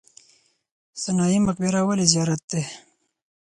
سنايي مقبره ولې زیارت دی؟